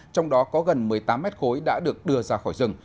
trong đó có gần một mươi tám mét khối đã được đưa ra khỏi rừng